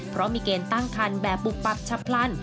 เพราะมีเกณฑ์ตั้งคันแบบปุบปับฉับพลัน